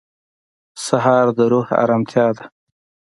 سهار د روح ارامتیا ده.